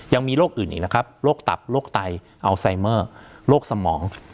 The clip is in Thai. ยังมีโรคอื่นอีกนะครับโรคตับโรคไตอัลไซเมอร์โรคสมอง